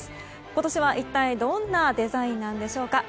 今年は一体どんなデザインなんでしょうか。